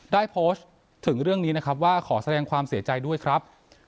ได้โพสต์ถึงเรื่องนี้นะครับว่าขอแสดงความเสียใจด้วยครับ